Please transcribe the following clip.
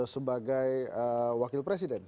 sebagai wakil presiden